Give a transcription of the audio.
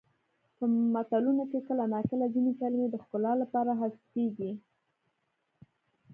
په متلونو کې کله ناکله ځینې کلمې د ښکلا لپاره حذف کیږي